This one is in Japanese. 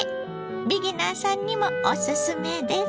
ビギナーさんにもオススメです。